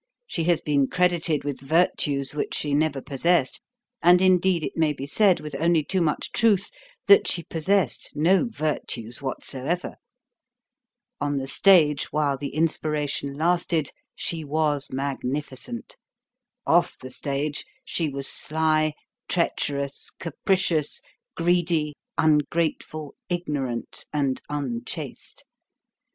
She has been credited with virtues which she never possessed; and, indeed, it may be said with only too much truth that she possessed no virtues whatsoever. On the stage while the inspiration lasted she was magnificent. Off the stage she was sly, treacherous, capricious, greedy, ungrateful, ignorant, and unchaste.